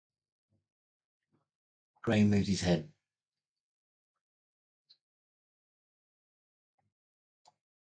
Graham moved his head.